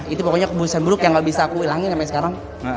itu pokoknya kebiasaan buruk yang nggak bisa aku hilangin sampai sekarang